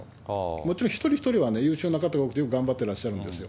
もちろん、一人一人は優秀な方が多くて、よく頑張ってらっしゃるんですよ。